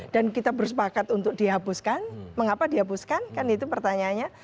dan kita bersepakat untuk dihapuskan mengapa dihapuskan kan itu pertanyaannya